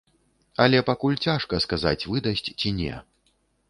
Але пакуль цяжка сказаць, выдасць ці не.